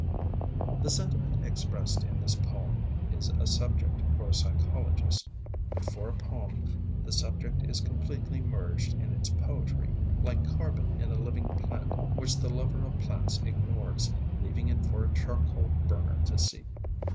The sentiment expressed in this poem is a subject for a psychologist. But for a poem the subject is completely merged in its poetry, like carbon in a living plant which the lover of plants ignores, leaving it for a charcoal burner to seek.